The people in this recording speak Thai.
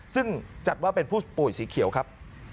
ซึ่งจัดว่าเป็นผู้ป่วยสีเขียวครับ